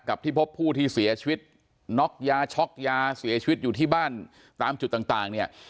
ที่พบผู้ที่เสียชีวิตน็อกยาช็อกยาเสียชีวิตอยู่ที่บ้านตามจุดต่างเนี่ย